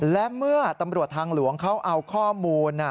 และเมื่อตำรวจทางหลวงเขาเอาข้อมูล